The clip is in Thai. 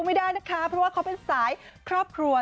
ไม่ได้นะคะเพราะว่าเขาเป็นสายครอบครัว